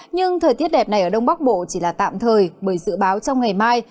nhưng thời tiết đẹp này ở đông bắc bộ chỉ là tạm thời bởi dự báo trong ngày mai